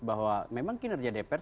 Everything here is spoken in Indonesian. bahwa memang kinerja dpr